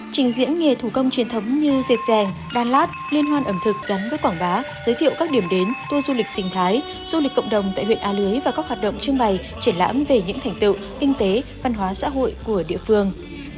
trình diễn nghề thủ công truyền thống như diệt dàng đan lát liên hoan ẩm thực gắn với quảng bá giới thiệu các điểm đến tour du lịch sinh thái du lịch cộng đồng tại huyện a lưới và các hoạt động trưng bày triển lãm về những thành tựu kinh tế văn hóa xã hội của địa phương